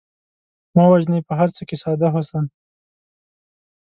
مه وژنئ په هر څه کې ساده حسن